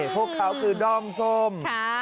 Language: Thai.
พวกเค้าก็กือด้อมส้ม